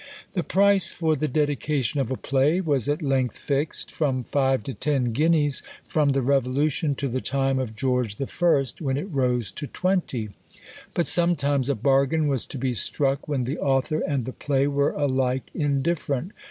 The price for the dedication of a play was at length fixed, from five to ten guineas from the Revolution to the time of George I., when it rose to twenty; but sometimes a bargain was to be struck when the author and the play were alike indifferent.